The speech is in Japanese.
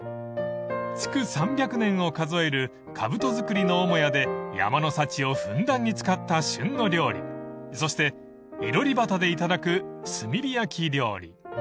［築３００年を数える兜造りの母屋で山の幸をふんだんに使った旬の料理そして囲炉裏端で頂く炭火焼き料理］